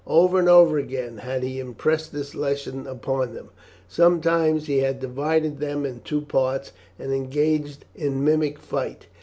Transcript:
Over and over again had he impressed this lesson upon them. Sometimes he had divided them in two parts, and engaged in mimic fight.